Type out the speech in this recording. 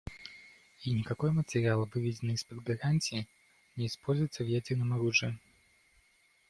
И никакой материал, выведенный из-под гарантий, не используется в ядерном оружии.